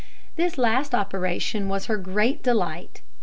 This last operation was her great delight.